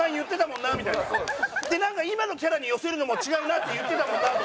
なんか今のキャラに寄せるのも違うなって言ってたもんなと思って。